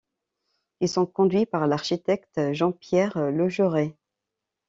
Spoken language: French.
Ils sont conduits par l'architecte Jean-Pierre Logerais.